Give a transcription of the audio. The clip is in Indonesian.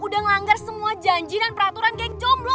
udah ngelanggar semua janjinan peraturan geng jomblo